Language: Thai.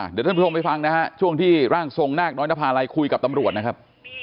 เดี๋ยวท่านผู้ชมไปฟังนะฮะช่วงที่ร่างทรงนาคน้อยนภาลัยคุยกับตำรวจนะครับ